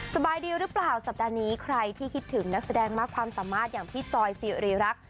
สบายดีหรือเปล่าสัปดาห์นี้ใครที่คิดถึงนักแสดงมากความสามารถอย่างพี่จอยสิริรักษ์